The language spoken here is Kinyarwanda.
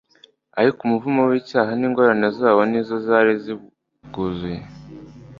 Ariko umuvumo w’icyaha, n’ingorane zawo, nizo zari zibwuzuye